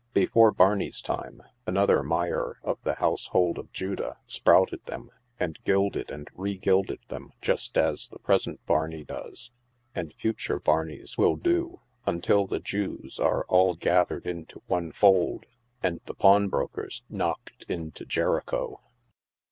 Before Barnes's time, another Meyers of the household of Judah sprouted them, and gilded and re gilded them just as the present Barney does, and future Barneys will do, until the Jews are all gathered into one fold, and the pawn broker's knocked into Jericho.